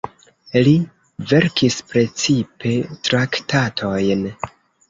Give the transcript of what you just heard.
Li verkis precipe traktatojn.